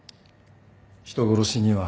人殺しには。